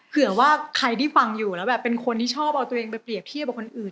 เผื่อว่าใครที่ฟังอยู่แล้วแบบเป็นคนที่ชอบเอาตัวเองไปเรียบเทียบกับคนอื่น